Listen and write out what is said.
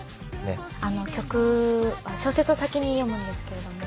曲小説を先に読むんですけれども。